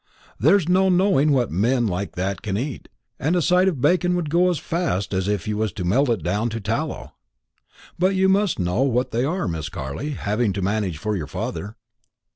There's no knowing what men like that can eat, and a side of bacon would go as fast as if you was to melt it down to tallow. But you must know what they are, Miss Carley, having to manage for your father."